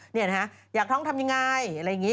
นี่นะฮะอยากท้องทำยังไงอะไรอย่างนี้